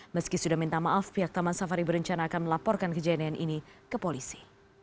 meski sudah minta maaf pihak taman safari berencana akan melaporkan kejadian ini ke polisi